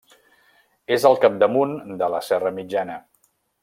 És al capdamunt de la Serra Mitjana.